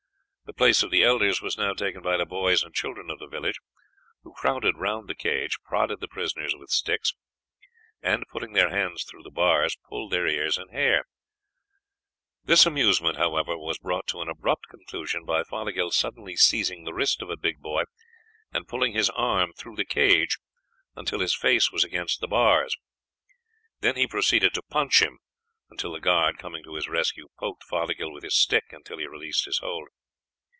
The place of the elders was now taken by the boys and children of the village, who crowded round the cage, prodded the prisoners with sticks, and, putting their hands through the bars, pulled their ears and hair. This amusement, however, was brought to an abrupt conclusion by Fothergill suddenly seizing the wrist of a big boy and pulling his arm through the cage until his face was against the bars; then he proceeded to punch him until the guard, coming to his rescue, poked Fothergill with his stick until he released his hold.